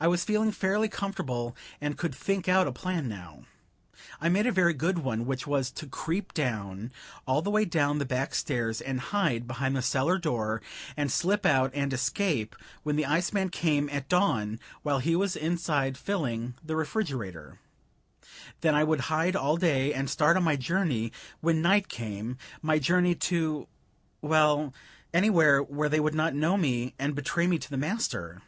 I was feeling fairly comfortable, and I could think out a plan now. I made a very good one; which was, to creep down, all the way down the back stairs, and hide behind the cellar door, and slip out and escape when the iceman came at dawn, while he was inside filling the refrigerator; then I would hide all day, and start on my journey when night came; my journey to well, anywhere where they would not know me and betray me to the master.